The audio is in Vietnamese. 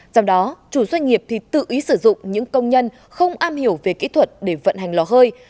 trong đó chủ doanh nghiệp thì tự ý sử dụng những công nhân không am hiểu về kỹ thuật để vận hành lò hơi